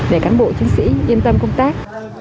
để cán bộ chiến sĩ yên tâm công tác